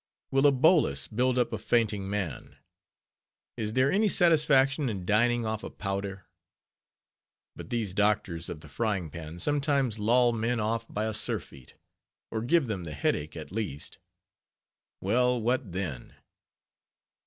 Will a bolus build up a fainting man? Is there any satisfaction in dining off a powder? But these doctors of the frying pan sometimes loll men off by a surfeit; or give them the headache, at least. Well, what then?